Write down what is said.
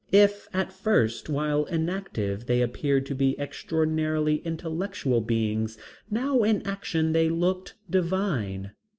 If at first while inactive they appeared to be extraordinarily intellectual beings, now in action they looked divine.